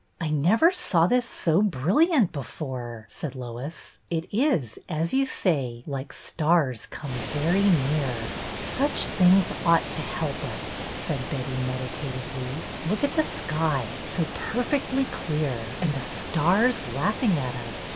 " I never saw this so brilliant before,'' said Lois. " It is, as you say, like stars come very near." '' Such things ought to help us," said Betty, meditatively. Look at the sky, so perfectly clear, and the stars laughing at us.